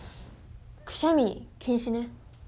くしゃみ禁止ね。